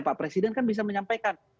pak presiden kan bisa menyampaikan